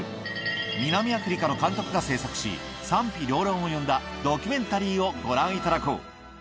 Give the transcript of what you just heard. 南アフリカの監督が制作し、賛否両論を呼んだドキュメンタリーをご覧いただこう。